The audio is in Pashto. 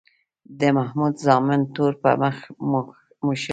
د محمود زامنو تور په مخ موښلی.